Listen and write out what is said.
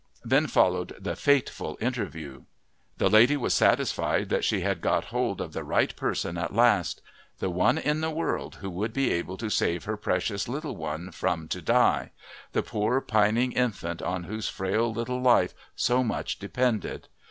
Then followed the fateful interview. The lady was satisfied that she had got hold of the right person at last the one in the world who would be able to save her precious little one "from to die," the poor pining infant on whose frail little life so much depended!